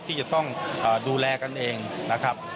ที่จะต้องดูแลกันเองนะครับ